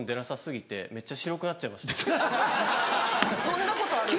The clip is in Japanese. そんなことある？